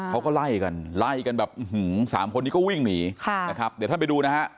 เขาก็ไล่กันไล่กันแบบสามคนนี้ก็วิ่งหนีค่ะนะครับเดี๋ยวท่านไปดูนะฮะ